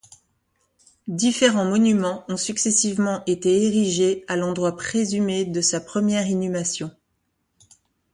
Différents monuments ont successivement été érigés à l'endroit présumé de sa première inhumation.